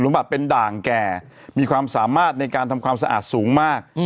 บัตรเป็นด่างแก่มีความสามารถในการทำความสะอาดสูงมาก